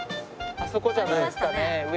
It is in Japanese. あそこじゃないですかね。